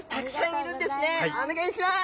お願いします。